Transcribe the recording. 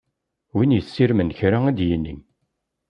Win yessirmen kra ad d-yini.